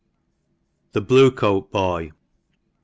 THE BLUE COAT BOY.